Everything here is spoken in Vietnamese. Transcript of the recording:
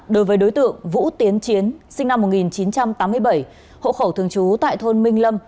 đối với đối tượng vũ tiến chiến sinh năm một nghìn chín trăm tám mươi bảy hộ khẩu thường trú tại thôn minh lâm